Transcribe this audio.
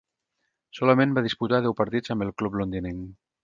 Solament va disputar deu partits amb el club londinenc.